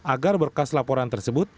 agar berkas laporan tersebut